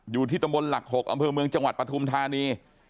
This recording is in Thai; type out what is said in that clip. อยู่ที่ตำบลหลัก๖อำเภอเมืองจังหวัดปฐุมธานี